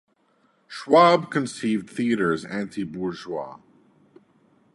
Schwab conceived theater as anti-bourgeois.